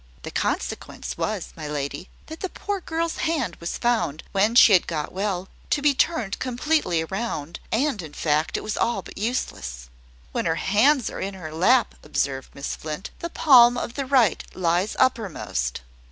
"The consequence was, my lady, that the poor girl's hand was found, when she had got well, to be turned completely round: and, in fact, it is all but useless." "When her hands are in her lap," observed Miss Flint, "the palm of the right lies uppermost.